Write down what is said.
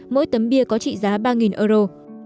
mỗi tấm bia có trị giá ba euro